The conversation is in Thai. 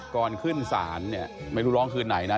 ก่อนขึ้นศาลเนี่ยไม่รู้ร้องคืนไหนนะ